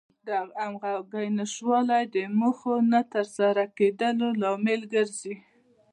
د همغږۍ نشتوالی د موخو نه تر سره کېدلو لامل ګرځي.